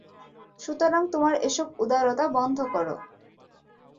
সুতরাং তোমার এসব উদারতা বন্ধ কর।